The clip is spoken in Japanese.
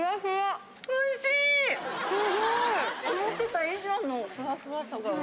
・思ってた以上のふわふわさが・